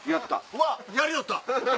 うわやりよった。